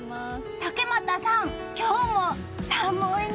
竹俣さん、今日も寒いな。